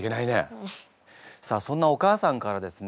さあそんなお母さんからですね